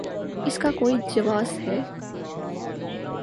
اس کا کوئی جواز ہے؟